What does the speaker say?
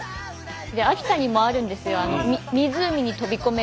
秋田にもあるんですよ。